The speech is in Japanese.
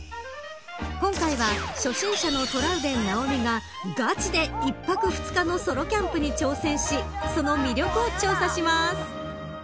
今回は初心者のトラウデン直美ががちで１泊２日のソロキャンプに挑戦しその魅力を調査します。